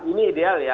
ini ideal ya